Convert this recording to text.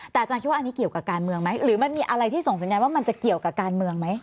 แต่อาจารย์คิดว่าอันนี้เกี่ยวกับการเมืองไหมหรือมันมีอะไรที่ส่งสัญญาณว่ามันจะเกี่ยวกับการเมืองไหม